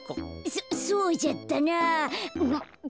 そそうじゃったなあ。